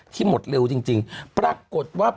ที่หมดเร็วจริงปรากฏว่า